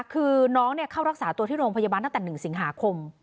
คือน้องเข้ารักษาตัวที่โรงพยาบาลตั้งแต่๑สิงหาคม